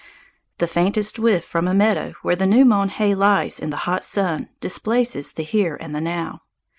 The faintest whiff from a meadow where the new mown hay lies in the hot sun displaces the here and the now.